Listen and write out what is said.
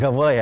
gak boleh ya